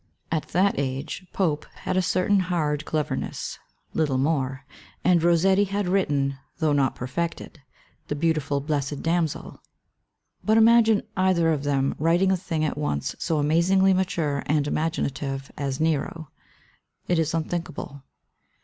At that age Pope had a certain hard cleverness (little more), and Rossetti had written, thou^ not perfected, the beautiful " BlessedDamo' zeL" But imagine either of them writing a thing at once so amasingly mature and imaginative as "Nero.'' It is unthinkable.